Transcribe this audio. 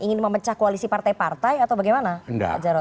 ingin memecah koalisi partai partai atau bagaimana pak jarod